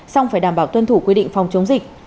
xong phải đảm bảo tuân thủ quy định phòng chống dịch